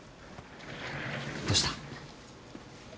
どうした？